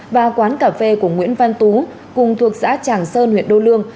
và quán cà phê của nguyễn văn tú cùng thuộc xã tràng sơn huyện đô lương